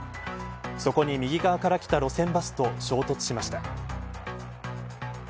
そこに右側から来た路線バスと衝突しました。